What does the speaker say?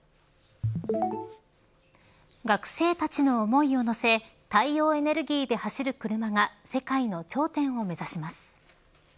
学生たちの思いを乗せ太陽エネルギーで走る車が世界の頂点を目指します。